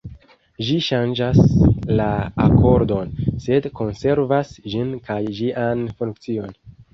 Ĝi ŝanĝas la akordon, sed konservas ĝin kaj ĝian funkcion.